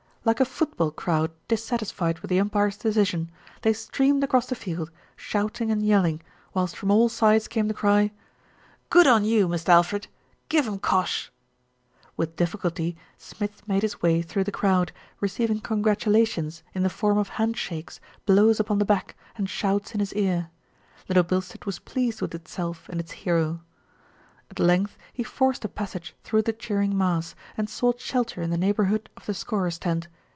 Like a football crowd dissatisfied with the umpire's decision, they streamed across the field, shouting and yelling, whilst from all sides came the cry "Good on you, Mist' Alfred ! Give 'em cosh !" With difficulty Smith made his way through the crowd, receiving congratulations in the form of hand shakes, blows upon the back, and shouts in his ear. Little Bilstead was pleased with itself and its hero. At length he forced a passage through the cheering mass, and sought shelter in the neighbourhood of the scorers' tent.